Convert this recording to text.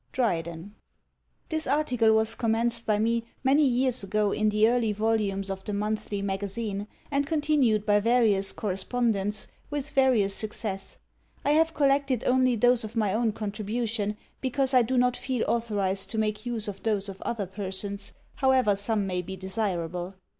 DRYDEN. This article was commenced by me many years ago in the early volumes of the Monthly Magazine, and continued by various correspondents, with various success. I have collected only those of my own contribution, because I do not feel authorised to make use of those of other persons, however some may be desirable.